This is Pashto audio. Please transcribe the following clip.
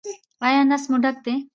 ایا نس مو ډک دی؟